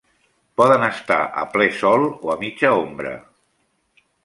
Poden estar a ple sol o a mitja ombra.